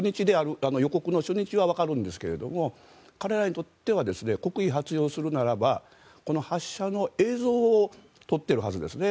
予告の初日はわかるんですが彼らにとっては国威発揚をするならばこの発射の映像を撮っているはずですね。